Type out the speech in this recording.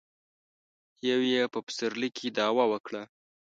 يو يې په پسرلي کې دعوه وکړه.